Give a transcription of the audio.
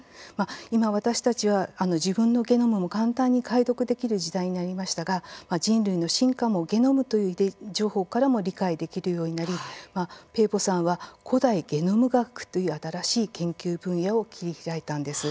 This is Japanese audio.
今、私たちは自分のゲノムも簡単に解読できる時代になりましたが、人類の進化もゲノムという情報からも理解できるようになりペーボさんは「古代ゲノム学」という新しい研究分野を切り開いたんです。